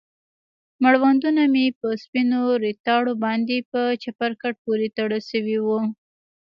مړوندونه مې په سپينو ريتاړو باندې په چپرکټ پورې تړل سوي وو.